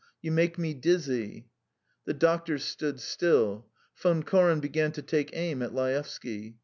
You make me dizzy." The doctor stood still. Von Koren began to take aim at Laevsky.